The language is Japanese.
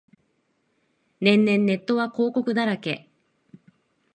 年々ネットは広告だらけ